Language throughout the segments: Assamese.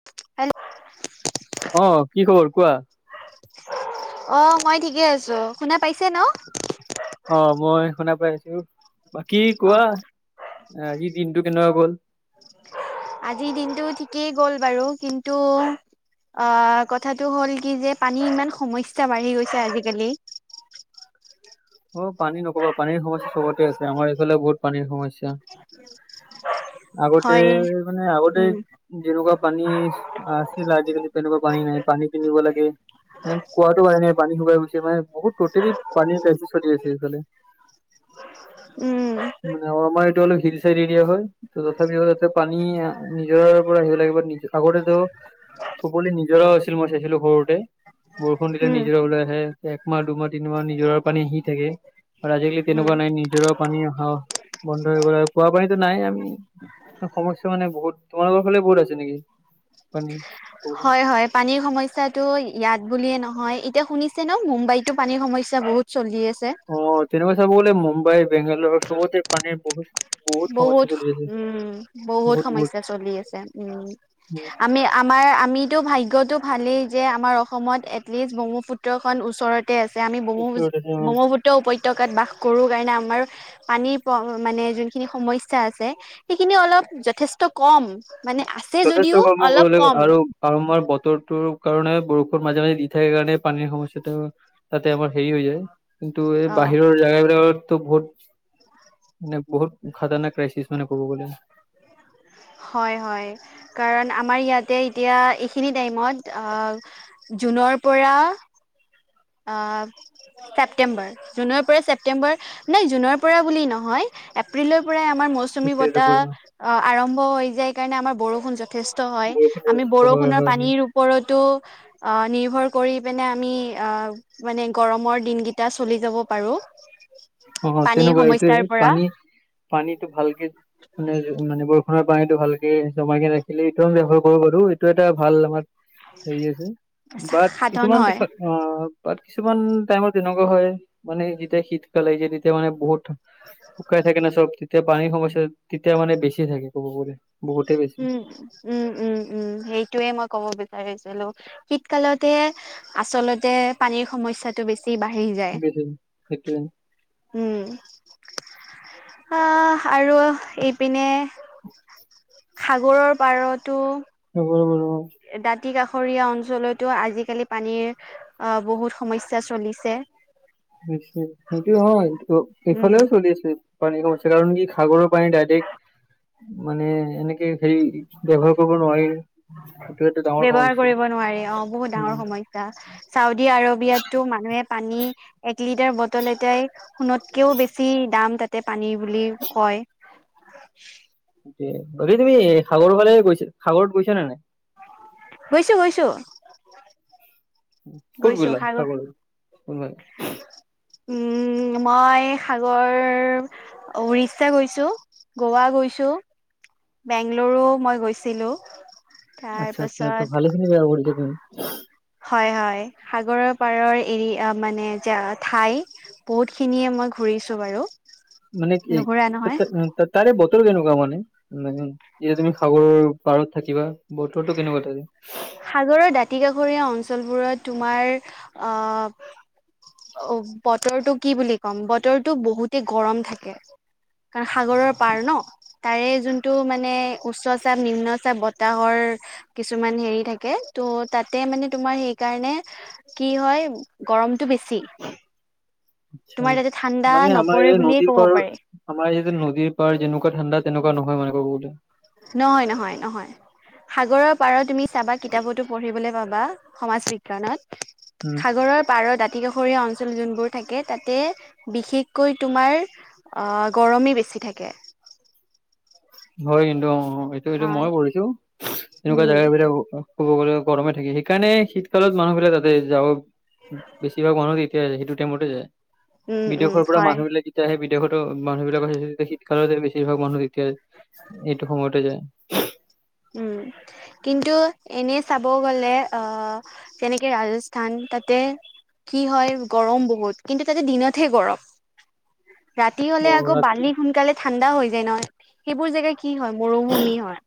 হেল্ল'? অ', কি খবৰ কোৱা? অ', মই ঠিকে আছো, শুনা পাইছে ন'? অ', মই শুনা পাইছো, বাকী অ কোৱা আজি দিনটো কেনেকুৱা গ'ল। আজিৰ দিনটো ঠিকেই গ'ল বাৰু, কিন্তু অ', কথাটো হ'ল কি যে পানীৰ ইমান সমস্যা বাঢ়ি গৈছে আজিকালি। অ', পানী নকবা পানীৰ সমস্যা চবতে আছে, আমাৰ এইফালে বহুত পানীৰ সমস্যা। আগতে হয় মানে আগতেই উম যেনেকুৱা পানী আছিল, আজিকালি তেনেকুৱা পানী নাই, পানী কিনিব লাগে। কুঁৱাতো পানী নাই, পানী শুকাই গৈছে মানে বহুত টোটৈলি পানী চলি আছে উম মানে আমাৰ এইটো অলপ হিল এৰিয়া হয়। ত তথাপিও যাতে পানী নিজৰ পৰা আহিব লাগে বা নিজ আগতে তো। সকলো নিজৰ আছিল, মই চাইছিলো সৰুতে বৰষুণ দিলে উম নিজৰা ওলাই আহে, একমাহ, দুমাহ, তিনিমাহ নিজৰা পানী শিত থাকে আৰু আজিকালি উম তেনেকুৱা নাই নিজৰাও পানী অহাও বন্ধ এইব আৰু খোৱা পতিটো নাই আমি। সমস্যা মানে বহুত তোমাৰলোকৰ ফালে বহুত আছে নেকি পানী। হয় হয়। পানীৰ সমস্যাটো ইয়াত বুলিয়ে নহয়। এতিয়া শুনিছে ন'? মুম্বাইতো পানীৰ সমস্যা বহুত চলি আছে। অ' তেনেকুৱা চাব গলে গ'লে মুম্বাই বেংগলৰ চবতে পানীৰ বহুত বহুত সমস্যা চলি আছে বহুত বহুত। সমস্যা চলি আছে উম উম আমি আমাৰ আমিতো ভাগ্যটো ভালেই যে আমাৰ অসমত এটলিষ্ট ব্ৰহ্মপুত্ৰখন ওচৰত ইয়াতে আছে। আমি ব্ৰক্ষ্মপু-ব্ৰহ্মপুত্ৰ উপত্যকাত বাস কৰোঁ কাৰণে, আমাৰ পানীৰ মানে যোনখিনি সমস্যা আছে। সেইখিনি অলপ যথেষ্ট কম মানে আছে যথেষ্ট যদিও কৰ্ম অলপ কৰিলে কম আৰু। আৰু আমাৰ বতৰটোৰ কাৰণে বৰষুণ মাজে মাজে দি থাকে কাৰণে পানীৰ সমস্যাটো, তাতে আমাৰ হেৰি হৈ যায় কিন্তু এই অ বাহিৰৰ জেগাবিলাকতো বহুত মানে বহুত খতৰনাক ক্ৰাইচিছ মানে ক'ব গলে [unintelligible] হয়, হয়, কাৰণ আমাৰ ইয়াতে এতিয়া এইখিনি টাইমত, আ জুনৰ পৰা আ, ছেপ্টেম্বৰ। জুনৰ পৰা ছেপটেম্বৰ নে জুনৰ পৰা বুলি নহয় এপ্ৰিলৰ পৰাই আমাৰ মষ্ট চুমী সেইটোৱেটো বতাহ বৰষুণ অ আৰম্ভ হৈ যায় কাৰণে আমাৰ বৰষুণ য যথেষ্ট হয়, আমি হয় বৰষুণৰ হয় পানীৰ ওপৰতো আ নিৰ্ভৰ কৰি পিনে আমি, আ মানে গৰমৰ দিনকেইটা চলি যাব পাৰো। অ অ পানীৰ তেনেকুৱাই সমস্যাৰ এইটোয়ে পৰা পানী পানীটো ভালকে মানে, মানে বৰষুণৰ পানীটো ভালকে জমাই কে ৰাখিলে, এইটো ব্যৱহাৰ কৰিব পাৰো, এইটো এটা ভাল আমাৰ হেৰি আছে বাট সাধন কিছুমান হয় অ বাত কিছুমান টাইমত তেনেকুৱা হয় মানে যেতিয়া শীতকাল আহিছে তেতিয়া মানে বহুত শুকাই থাকে না, চব, তেতিয়া পানীৰ সমস্যা তেতিয়া মানে বেছি থাকে ক'ব গলে বহুতে বেছি উম উম উম উম উম সেইটোৱে মই ক'ব বিছাৰিছিলোঁ, শীতকালতে আচলতে পানীৰ সমস্যাটো বেছি বাঢ়ি যায়। বেছি উম আহ আৰু এইপিনে সাগৰৰ পাৰতো ৰব- ৰব- ৰব। দাঁতি কাষৰীয়া অঞ্চলতো আজিকালি পানীৰে অ বহুত সমস্যা চলিছে [unintelligible] সেইটো হয় [unintelligible] উম এইফালেও চলি আছে। পানী কমিছে কাৰণ কি সাগৰৰ পানী ডাইৰেক্টৰ মানে এনেকে সেই, ব্যৱহাৰ কৰিব নোৱাৰি। সেইটো এটা ডাঙৰ ব্যৱহাৰ সমস্যা। কৰিব নোৱাৰি। অ' বহুত ডাঙৰ উম, সমস্যা! চাউডি আৰবিয়াটো মানুহে পানী এক লিটাৰ বটল এটাই সোণতকেও বেছি দাম তাতে তাতে পানী বুলি কয়। বাকী তুমি সাগৰ ফালে গৈছা সাগৰত গৈছা নে নাই? গৈছো, গৈছো। ক'ত গৈছো গ'লা সাগৰ সাগৰত উম, মই সাগৰ উৰিষ্যা গৈছো, গোৱা গৈছো বেংগলেৰু মই গৈছিলো। তাৰ আচ্ছা, আচ্ছা। পাছত ত' ভালেখিনি জেগা ঘূৰিছা তুমি। হয়, হয়। সাগৰৰ পাৰৰ এৰিয়া মানে যে ঠাই বহুত খিনিয়ে মই ঘূৰিছো বাৰু। মানে নুঘুৰা নহয় তাৰে বতৰ কেনেকুৱা মানে? নে যেতিয়া তুমি সাগৰৰ পাৰত থাকিবা বতৰটো কেনেকুৱা তাতে? সাগৰৰ দাঁতি কাষৰীয়া অঞ্চলবোৰত তোমাৰ আ অ' বতৰটো কি বুলি ক'ম, বতৰটো বহুতে গৰম থাকে। কাৰণ সাগৰৰ পাৰ ন। তাৰে যোনটো মানে উচ্চ চাপ নিম্ন চাপ বতাহৰ কিছুমান হেৰি থাকে, ত' তাতে মানে তোমাৰ সেইকাৰণে কি হয় গৰমতটো বেছি। আচ্ছা। তোমাৰ তাতে ঠাণ্ডা মানে আমাৰ নপৰে এই বুলিয়ে নদীৰ ক'ব পাৰৰ পাৰি আমাৰ এইটো নদীৰ পাৰ যেনেকুৱা ঠাণ্ডা তেনেকুৱা নহয় মানে ক'ব গ'লে। নহয়, নহয়, নহয়। সাগৰৰ পাৰৰ তুমি চাবা কিতাপতো পঢ়িবলৈ পাবা, সমাজ বিজ্ঞানত উম। সাগৰৰ পাৰৰ দাঁতি কাষৰীয়া অঞ্চল যোনবোৰ থাকে তাতে বিশেষকৈ তোমাৰ অ', গৰমেই বেছি থাকে। হয় কিন্তু, অ' অ' এইটো এইটো মই পঢ়িছো, এনেকুৱা উম জাগা বিলাকো ক'ব গ'লে গৰমে থাকে, সেইকাৰণে শীতকালত মানুহবিলাক তাতে যাব বেছিভাগ মানুহ তেতিয়াই যায়, সেইটো টাইমতে যায়। উম উম বিদেশৰ পৰা হয় মানুহ বিলাক তেতিয়া হেই বিদেশতো মানুহ বিলাকৰ শীতকালতে বছিভাগ মানুহ তেতিয়া এইটো সময়তে যায়। উম। কিন্তু এনেই চাব গ'লে, আহ যেনেকে ৰাজস্থান। তাতে কি হয় গৰম বহুত, কিন্তু তাতে দিনতহে গৰম। ৰাতি হ'লে অ', আকৌ ৰাতি বালি সোনকালে ঠাণ্ডা হৈ যায় ন সেইবোৰ জেগাই কি হয় মৰুভূমি হয়।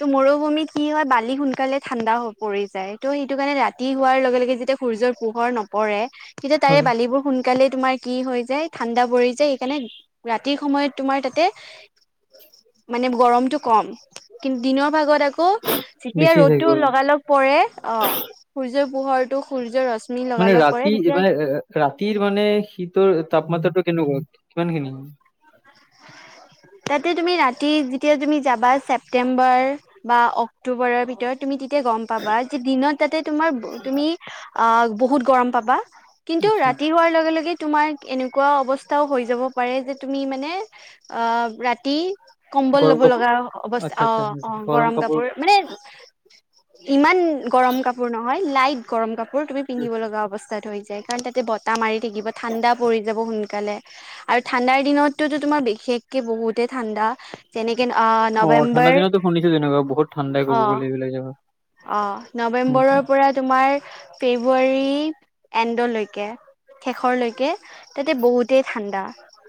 ত' মৰুভূমিত কি হয় বালি সোনকালে ঠাণ্ডা হৈ পৰি যায় ত' সেইটো কাৰণে ৰাতি হোৱাৰ লগে লগে যেতিয়া সূৰ্যৰ পোহৰ নপৰে তেতিয়া তাৰে হয় বালিবোৰ সোন সোনকালে তোমাৰ কি হৈ যায় ঠাণ্ডা পৰি যায় সেইকাৰণে ৰাতিৰ সময়ত তোমাৰ তাতে মানে গৰমতটো কম কিন্তু দিনৰ ভাগত আকৌ যেতিয়া বেছি থাকে ৰ'দটো গৰম লগালগ পৰে অ সূৰ্যৰ পোহৰটো সূৰ্যৰ ৰশ্মি মানে লগালগ পৰে ৰাতি তেতিয়া মানে ৰাতিৰ মানে শীতৰ তাপমাত্ৰাটো কেনেকুৱা কিমানখিনি হয়? তাতে তুমি ৰাতি যেতিয়া তুমি যাবা চেপ্তেম্বৰ বা অক্টোবৰৰ ভিতৰত তুমি। তেতিয়া তুমি গম পাবা যে দিনত তাতে তোমাৰ তুমি অ বহুত গৰম পাবা। কিন্তু আচ্ছা ৰাতি হোৱাৰ লগে লগে তোমাৰ এনেকুৱা অৱস্থাও হৈ যাব পাৰে যে তুমি মানে অ ৰাতি কম্বল গৰম লব কাপোৰ লগা অৱস্থা অ অ গৰম কাপোৰ মানে ইমান গৰম কাপোৰ নহয় লাইট গৰম কাপোৰ তুমি পিন্ধিব লগা অৱস্থাত হৈ যায়। কাৰণ তাত বতাহ মাৰি থাকিব ঠাণ্ডা পৰি যাব সোনকালে আৰু ঠাণ্ডাৰ দিনতো তোমাৰ বিশেষকে বহুতে ঠাণ্ডা। যেনেকে অ' ঠাণ্ডা নৱেম্বৰ দিনতো শুনিছো তেনেকুৱা বহুত ঠাণ্ডাই ক'ব অ'। গ'লে এইবিলাক অ' জেগাত। নৱেম্বৰৰ পৰা তোমাৰ ফেব্ৰুৱাৰী এন্ডৰ লৈকে। শেষৰ লৈকে তাতে বহুতেই ঠাণ্ডা।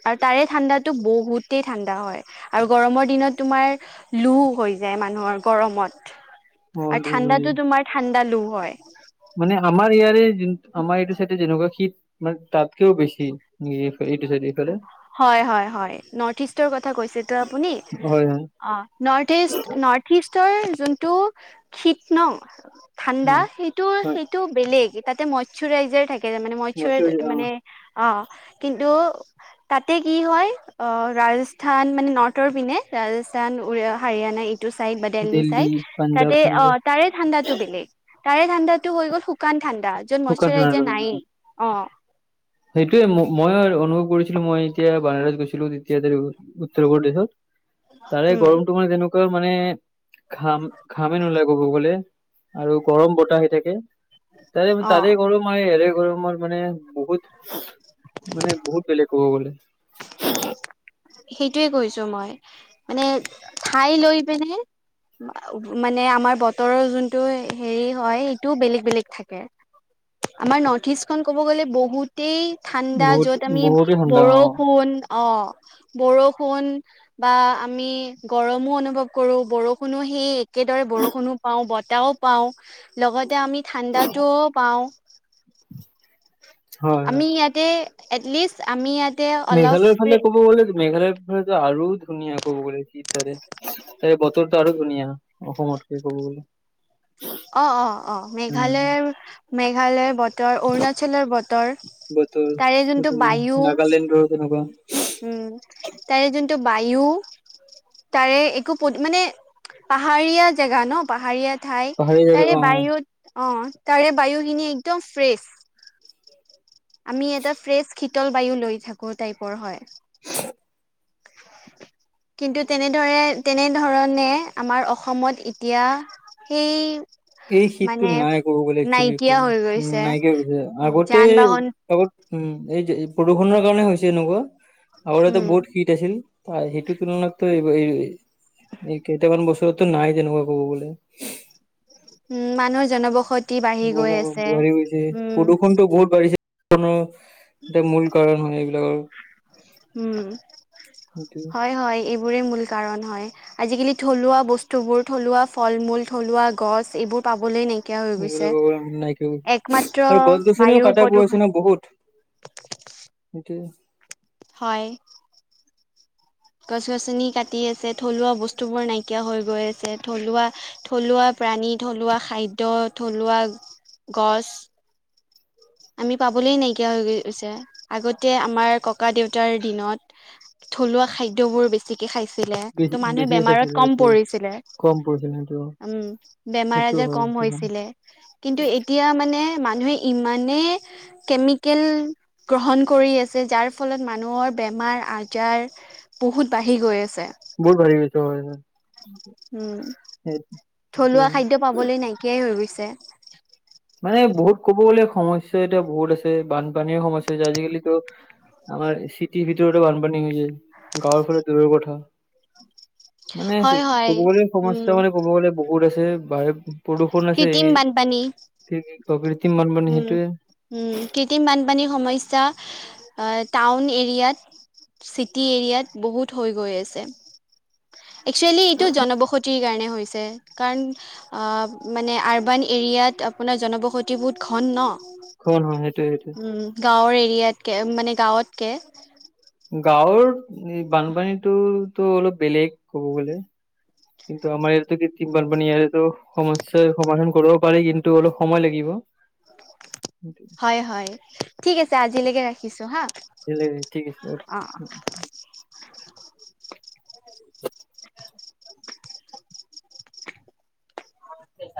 আৰু তাৰে ঠাণ্ডাতো বহুতেই ঠাণ্ডা হয় আৰু গৰমৰ দিনত তোমাৰ লোহ হৈ যায় মানুহৰ গৰমত হ'ল আৰু ঠাণ্ডাতো তোমাৰ ঠাণ্ডা লোহ হয়। মানে আমাৰ ইয়াৰে যোন আমাৰ এইটো চাইডে যেনেকুৱা শীত মানে তাত কৈও বেছি এইটো চাইডে। এইফালে হয়, হয়, হয়, নৰ্থ ইষ্টৰ কথা কৈছে ত আপুনি? হয় হয় অ' নৰ্থ ইষ্ট নৰ্থ ইষ্টৰ যোনটো শীত ন' ঠাণ্ডা উম, সেইটো হয় সেইটো বেলেগ তাতে মইশ্বৰাইজাৰ থাকে মানে বছৰি মইশ্ব অ মানে অ' কিন্তু? তাতে কি হয় অ' ৰাজস্থান মানে নৰ্থৰ পিনে ৰাজস্থান হাৰিয়ানা সেইটো চাইড বা দিল্লী চাইড পাঞ্জাব তাতে এনেকুৱা অ' তাৰে ঠাণ্ডা ত' বেলেগ তাৰে ঠাণ্ডাটো হৈ গ'ল শুকান ঠাণ্ডা শুকান মশ্বৰাইজাৰ নায়েই অ'। সেইটোৱেই মইয়ো অনুভৱ কৰিছিলো মই এতিয়া বানাৰছ গৈছিলো তেতিয়া উত্তৰ প্ৰদেশত তাৰে উম গৰমটো মানে তেনেকুৱা মানে ঘাম ঘামেই নোলায় ক'ব গ'লে আৰু গৰম বতাহ আহি থাকে তাৰে অ তাৰে গৰম মই ইয়াৰে গৰমৰ মানে বহুত মানে বহুত বেলেগ ক'ব গ'লে। [inaudible] সেইটোৱেই কৈছো মই মানে ঠাই লৈ পিনেই মানে আমাৰ বতৰৰ যোনটো হেৰি হয় সেইটোও বেলেগ বেলেগ থাকে। আমাৰ নৰ্থ ইষ্টখন ক'ব গ'লে বহুত বহুতেই ঠাণ্ডা বহুত য'ত আমি বহুতে ঠাণ্ডা অ বৰষুণ অ' বৰষুণ বা আমি গৰমো অনুভৱ কৰো বৰষুণকো সেই একেদৰে বৰষুণকো পাওঁ বতাহও পাওঁ লগতে আমি ঠাণ্ডাটোও পাওঁ। হয় হয় আমি ইয়াতে এটলিষ্ট আমি ইয়াত মেঘালয়ৰ ফালে ক'ব গ'লে যে মেঘালয় সেইফালেটো আৰু ধুনীয়া ক'ব গলে কি তাৰে তাৰে বতৰটো আৰু ধুনীয়া। অসমতকে ক'ব গ'লে। অ'অ'অ', উম মেঘালয়, মেঘালয়ৰ ব ত' অৰুণাচলৰ বতৰ, বতৰ তাৰে বহুত যোনটো ধুনীয়া বায়ু নাগালেণ্ডৰ তেনেকুৱা উম্, তাৰে যোনটো বায়ু তাৰে একো মানে, পাহাৰীয়া জেগা ন', পাহাৰীয়া ঠাই। পাহাৰীয়া জেগা তাৰে অ বায়ুত অ', তাৰে বায়ু খিনি একদম ফ্ৰেচ। আমি এটা ফ্ৰেচ শীতল বায়ু লৈ থাকো, টাইপৰ হয়। [inaudible] কিন্তু তেনেদৰে, তেনেধৰণে আমাৰ অসমত এতিয়া সেই এই শীতটো মানে নাই ক'ব গ'লে এক্সোৱেলি, ক'তো নাইকিয়া হৈ গৈছে নাইকিয়া হৈ গৈছে, আগতে যান বাহন আগত উম্, এই যে প্ৰদূষণৰ কাৰণে হৈছে এনেকুৱা, আৰু ইয়াতে উম বহুত শীত আছিল, অ', সেইটোৰ তুলনাতটো এইবা এই কেইটামান বছৰততো নাই তেনেকুৱা, ক'ব গ'লে। উম্, মানুহৰ জনবসতি বাঢ়ি গৈ আছে। বাঢ়ি গৈছে, উম, প্ৰদূষণটো বহুত বাঢ়িছে। প্ৰদূষণো এটা মূল কাৰণ হয়, এইবিলাকৰ। উম্, সেইটোৱে হয় হয়, এইবোৰে মূল কাৰণ হয়। আজিকালি থলুৱা বস্তুবোৰ, থলুৱা ফল-মূল, থলুৱা গছ, এইবোৰ পাবলৈ নাইকিয়া হ'ল। সেইবিলাকৰ নাইকিয়া, আৰু গছ-গছনিও বায়ু কটা-বোৱা প্ৰদূষণ হৈছে বহুত। তাকেই। হয়। গছ-গছনি কাটি আছে, থলুৱা বস্তুবোৰ নাইকিয়া হৈ গৈ আছে। থলুৱা থলুৱা প্ৰাণী, থলুৱা খাদ্য, থলুৱা গছ আমি পাবলেই নাইকিয়া হৈ গৈছে, আগতে আমাৰ ককা-দেউতাৰ দিনত থলুৱা খাদ্যবোৰ বেছি যি টি খাইছিলে, ত' বেছি মানুহে বেছিয়ে বেমাৰত খাইছিল ক'ম সেইটোৱে পৰিছিলে। কম পৰিছিল সেইটো উম্, সেইটো বেমাৰ-আজাৰ হয় ক'ম সেইটো হয় হৈছিলে, কিন্তু এতিয়া মানে মানুহে ইমানে কেমিকেল গ্ৰহণ কৰি আছে, যাৰ ফলত মানুহৰ বেমাৰ-আজাৰ বহুত বাঢ়ি গৈ আছে। বহুত বাঢ়ি গৈ আছে, হয়। উম্, সেই সেইটোৱে থলুৱা খাদ্য পাবলৈ নাইকিয়ায়ে হৈ গৈছে। মানে বহুত, ক'ব গ'লে সমস্যা এতিয়া বহুত আছে। বানপানীৰ সমস্যা আছে, আজি-কালিতো আমাৰ চিটিৰ ভিতৰতো বানপানী হৈছে, গাঁৱৰ ওপৰত দূৰৰ কথা। মানে হয় হয় ক'ব গ'লে, উম সমস্যা মানে ক'ব গ'লে বহুত আছে। বহি কৃত্ৰিম বানপানী। ত' কৃত্ৰিম বানপানী, সেইটোৱে। উম্, কৃত্ৰিম বানপানীৰ সমস্যা, অ', টাউন এৰিয়াত। চিটি এৰিয়াত বহুত হৈ গৈ আছে। এক্সোৱেলি এইটো জনবসতিৰ কাৰণে হৈছে, কাৰণ অ', মানে আৰ্বান এৰিয়াত আপোনাৰ জনবসতি বহুত ঘন ন'। ঘন অ', হয়, সেইটোৱে সেইটোৱে। উম গাঁৱৰ এৰিয়াতকৈ, মানে গাঁৱতকৈ। গাঁৱৰ বানপানীটো ত' অলপ বেলেগ, ক'ব গ'লে। [inaudible] কিন্তু আমাৰ ইয়াতো কৃত্ৰিম বানপানী, ইয়াতোতো সমস্যাৰ সমাধান কৰিব পাৰি, কিন্তু অলপ সময় লাগিব। [unintelligible] [inaudible] হয় হয় ঠিক আছে, আজিলৈকে ৰাখিছো হা। বেলেগ ঠিক আছে অঁ। অ [inaudible] [unintelligible]